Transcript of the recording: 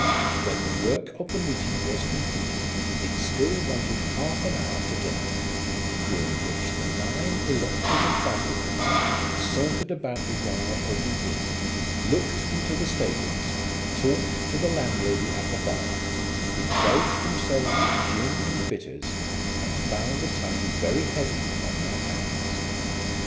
When the work of the meeting was completed it still wanted half an hour to dinner, during which the nine electors of Baslehurst sauntered about the yard of the inn, looked into the stables, talked to the landlady at the bar, indulged themselves with gin and bitters, and found the time very heavy on their hands.